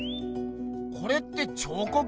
これって彫刻？